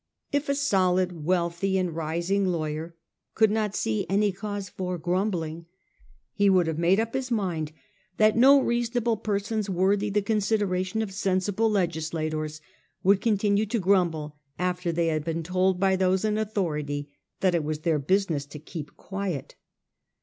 If a solid, wealthy and rising lawyer could not see any cause for grumbling, he would have made up his mind that no reasonable persons worthy the con sideration of sensible legislators would continue to grumble after they had been told by those in au thority that it was their business to keep quiet.